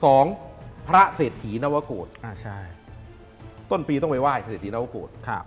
สองพระเศรษฐีนวโกรธต้นปีต้องไปไห้เศรษฐีนวโกรธ